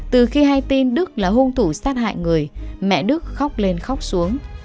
từ khi hay tin đức là hung thủ sát hại người mẹ đức khóc lên khóc xuống